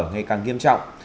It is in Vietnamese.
ngày càng nghiêm trọng